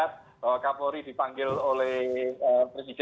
artinya sebenarnya semua elemen yang dipanggil oleh presiden bersama panglima tni